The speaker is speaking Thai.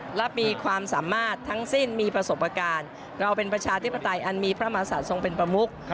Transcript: และมีความสามารถทั้งสิ้นมีประสบการณ์เราเป็นประชาธิปไตยอันมีพระมหาศาสทรงเป็นประมุก